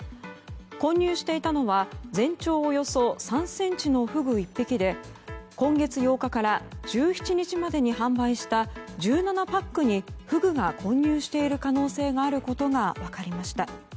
混入していたのは全長およそ３ｃｍのフグ１匹で今月８日から１７日までに販売したフグが混入している可能性があることが分かりました。